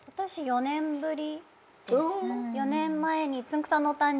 ４年ぶり？